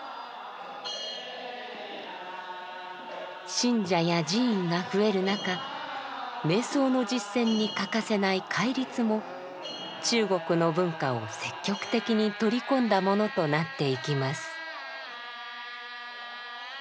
信者や寺院が増える中瞑想の実践に欠かせない「戒律」も中国の文化を積極的に取り込んだものとなっていきます。